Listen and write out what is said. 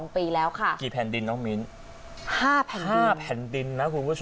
ปีแล้วค่ะกี่แผ่นดินน้องมิ้น๕แผ่น๕แผ่นดินนะคุณผู้ชม